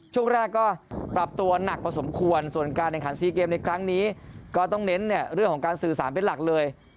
ช่วงแรกก็ปรับตัวหนักพอสมควรส่วนการแข่งขันซีเกมในครั้งนี้ก็ต้องเน้นเรื่องของการสื่อสารเป็นหลักเลย